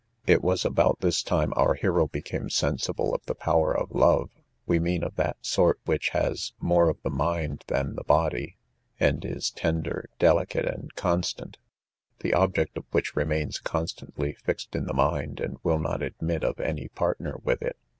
It was about this time our hero became sensible of the power of love; we mean of that sort which has more of the mind than the body, and is tender, delicate and constant; the object of which remains constantly fixed in the mind, and will not admit of any partner with it.